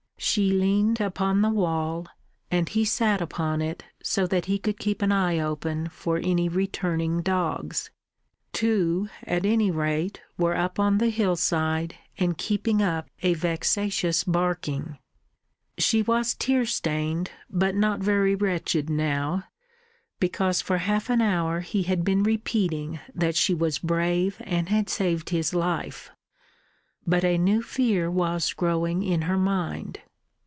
She leant upon the wall, and he sat upon it so that he could keep an eye open for any returning dogs. Two, at any rate, were up on the hillside and keeping up a vexatious barking. She was tear stained, but not very wretched now, because for half an hour he had been repeating that she was brave and had saved his life. But a new fear was growing in her mind.